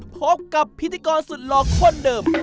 พบกับพิธีกรสุดหล่อคนเดิม